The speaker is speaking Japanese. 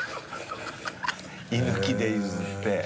居抜きで譲って。